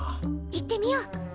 行ってみよう！